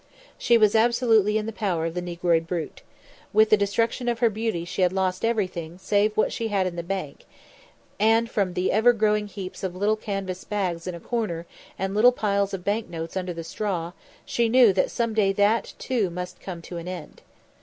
She was absolutely in the power of the negroid brute. With the destruction of her beauty she had lost everything save what she had in the bank, and from the ever growing heaps of little canvas bags in a corner and little piles of banknotes under the straw, she knew that some day that, too, must come to an end.